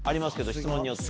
質問によっては。